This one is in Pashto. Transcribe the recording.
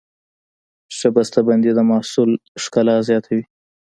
ښه بسته بندي د محصول ښکلا زیاتوي.